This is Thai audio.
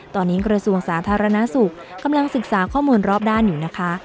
ตอนนี้กระทรวงสาธารณสุขกำลังศึกษาข้อมูลรอบด้านอยู่นะคะ